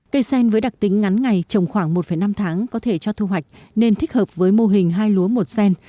cây sen với đặc tính ngắn ngày trồng khoảng một năm tháng có thể cho thu hoạch nên thích hợp với mô hình hai lúa một sen